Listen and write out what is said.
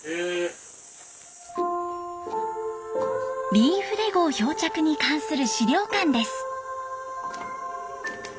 リーフデ号漂着に関する資料館です。